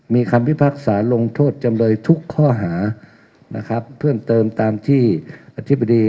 มีคำพิพากษาลงโทษจำเลยทุกข้อหานะครับเพิ่มเติมตามที่อธิบดี